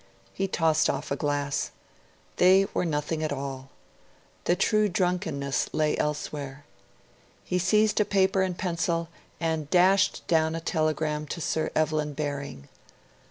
He tossed off a glass. They were nothing at all. The true drunkenness lay elsewhere. He seized a paper and pencil, and dashed down a telegram to Sir Evelyn Baring.